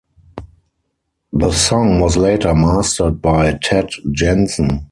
The song was later mastered by Ted Jensen.